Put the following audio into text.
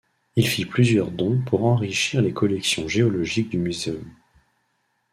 Il fit plusieurs dons pour enrichir les collections géologique du Muséum.